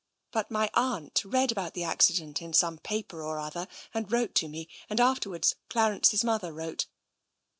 But my aunt read about the accident in some paper or other, and wrote to me. And afterwards Clarence's mother wrote."